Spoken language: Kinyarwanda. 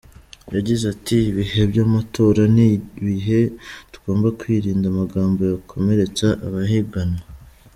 Yagize ati “Ibihe by’amatora ni ibihe tugomba kwirinda amagambo yakomeretsa abahiganwa.